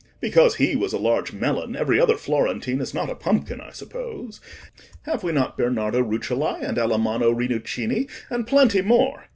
Because he was a large melon, every other Florentine is not a pumpkin, I suppose. Have we not Bernardo Rucellai, and Alamanno Rinuccini, and plenty more?